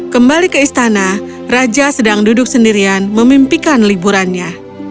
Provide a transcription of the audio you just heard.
kembali ke istana raja sedang duduk sendirian memimpikan liburannya